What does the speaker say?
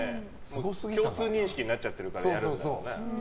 共通認識になってるからやるんだろうね。